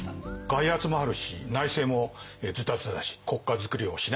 外圧もあるし内政もズタズタだし国家づくりをしなきゃならないと。